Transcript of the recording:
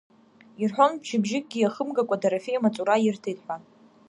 Ирҳәон мчыбжьыкгьы иахымгакәа Дарафеи амаҵура ирҭеит ҳәа.